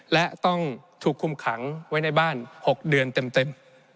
และต้องถูกคุมขังไว้ในบ้าน๖เดือนเต็ม